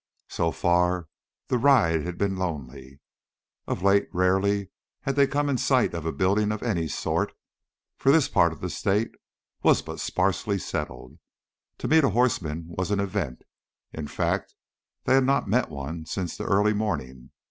So far the ride had been lonely. Of late rarely had they come in sight of a building of any sort, for this part of the state was but sparsely settled. To meet a horseman was an event. In fact they had not met one since the early morning.